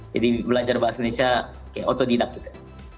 jadi belajar bahasa indonesia kayak otodidak gitu